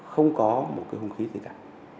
không có một hông khí gì cả